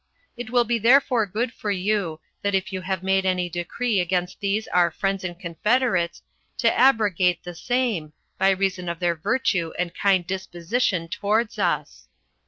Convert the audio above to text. It will be therefore good for you, that if you have made any decree against these our friends and confederates, to abrogate the same, by reason of their virtue and kind disposition towards us."